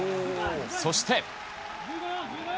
そして。